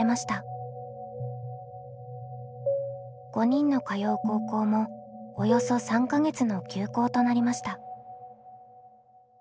５人の通う高校もおよそ３か月の休校となりました。